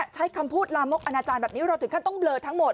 ใช้คำพูดลามกอนาจารย์แบบนี้เราถึงขั้นต้องเบลอทั้งหมด